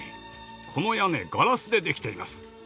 この屋根ガラスでできています。